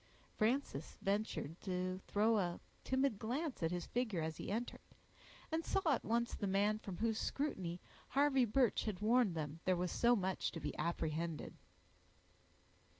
Frances ventured to throw a timid glance at his figure as he entered, and saw at once the man from whose scrutiny Harvey Birch had warned them there was so much to be apprehended.